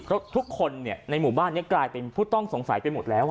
เพราะทุกคนในหมู่บ้านนี้กลายเป็นผู้ต้องสงสัยไปหมดแล้ว